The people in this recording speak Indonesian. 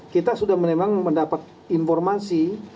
kita sudah memang mendapat informasi